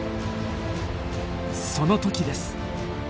その時です。